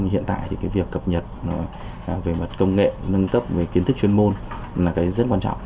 hiện tại thì cái việc cập nhật về mặt công nghệ nâng cấp về kiến thức chuyên môn là cái rất quan trọng